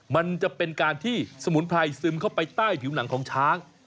มันจะเป็นการที่สมุนไพรซึมเข้าไปใต้ผิวหนังของช้าง